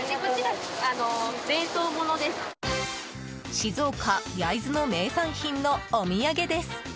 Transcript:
静岡・焼津の名産品のお土産です。